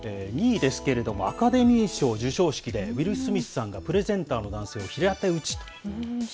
２位ですけれども、アカデミー賞授賞式で、ウィル・スミスさんがプレゼンターの男性を平手打ちと。